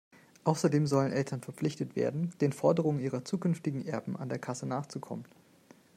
Außerdem sollen Eltern verpflichtet werden, den Forderungen ihrer zukünftigen Erben an der Kasse nachzukommen.